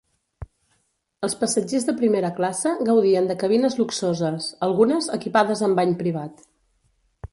Els passatgers de primera classe gaudien de cabines luxoses, algunes equipades amb bany privat.